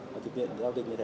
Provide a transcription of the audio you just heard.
và thực hiện giao dịch như thế